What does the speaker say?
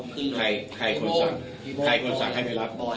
คือใครคนสั่งใครคนสั่งให้ไปรับ